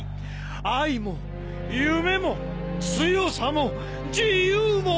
愛も夢も強さも自由も！